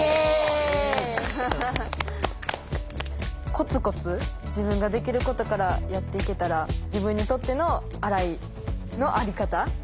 コツコツ自分ができることからやっていけたら自分にとってのアライの在り方になれるかなと思うので。